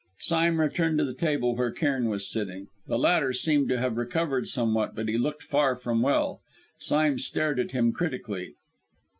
Sime returned to the table where Cairn was sitting. The latter seemed to have recovered somewhat; but he looked far from well. Sime stared at him critically.